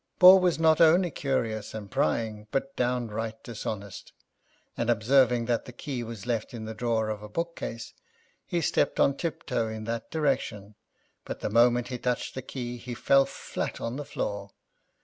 Ball was not[Pg 43] only curious and prying, but downright dishonest, and observing that the key was left in the drawer of a bookcase, he stepped on tiptoe in that direction, but the moment he touched the key, he fell flat on the floor.